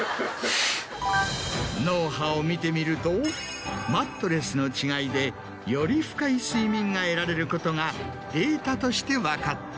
脳波を見てみるとマットレスの違いでより深い睡眠が得られることがデータとして分かった。